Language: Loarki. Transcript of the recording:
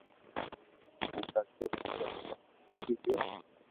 ھين ڀجتو ڀجتو او ڪني پوچو گيو